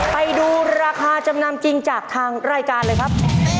ไปดูราคาจำนำจริงจากทางรายการเลยครับ